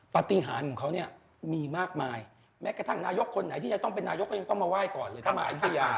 ปฏิหารของเขาเนี่ยมีมากมายแม้กระทั่งนายกคนไหนที่จะต้องเป็นนายกก็ยังต้องมาไหว้ก่อนเลยถ้ามาอายุทยา